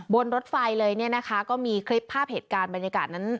บนรถไฟเลยเนี่ยนะคะก็มีคลิปภาพเหตุการณ์บรรยากาศนั้น